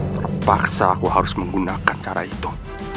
terpaksa aku harus menggunakan cara itu